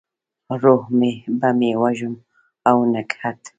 روح به مې وږم او نګهت،